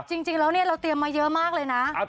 จริงแล้วเราเตรียมมาเยอะมากเลยนะ